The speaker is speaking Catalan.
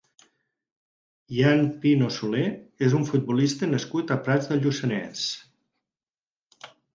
Ian Pino Soler és un futbolista nascut a Prats de Lluçanès.